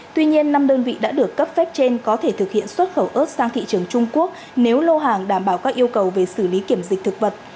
tuy nhiên năm đơn vị đã được cấp phép trên có thể thực hiện xuất khẩu ớt sang thị trường trung quốc nếu lô hàng đảm bảo các yêu cầu về xử lý kiểm dịch thực vật